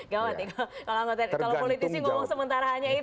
gawat ya kalau politisi ngomong sementara hanya itu